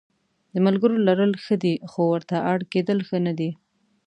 د ملګرو لرل ښه دي خو ورته اړ کېدل ښه نه دي.